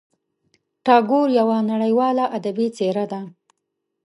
ټاګور یوه نړیواله ادبي څېره ده.